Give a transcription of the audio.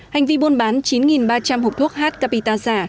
hành vi buôn bán chín ba trăm linh hộp thuốc h capita giả